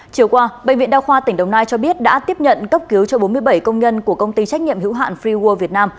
chiều qua bệnh viện đa khoa tỉnh đồng nai cho biết đã tiếp nhận cấp cứu cho bốn mươi bảy công nhân của công ty trách nhiệm hữu hạn freeworld việt nam